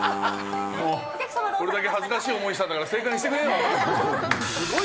これだけ恥ずかしい思いしたんだから、正解にしてくれよ。